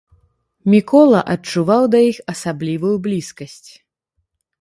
Мікола адчуваў да іх асаблівую блізкасць.